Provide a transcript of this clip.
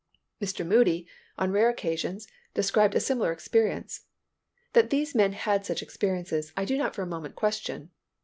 Mr. Moody, on rare occasions, described a similar experience. That these men had such experiences, I do not for a moment question.